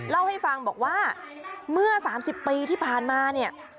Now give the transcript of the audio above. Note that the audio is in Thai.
เล่าให้ฟังบอกว่าเมื่อ๓๐ปีที่ผ่านมาเนี่ย